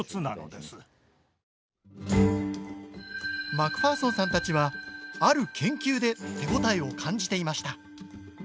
マクファーソンさんたちはある研究で手応えを感じていました。